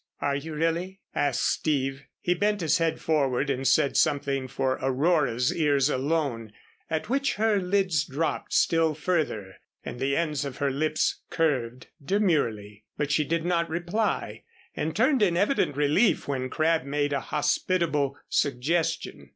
"Are you really?" asked Steve. He bent his head forward and said something for Aurora's ears alone, at which her lids dropped still further and the ends of her lips curved demurely. But she did not reply, and turned in evident relief when Crabb made a hospitable suggestion.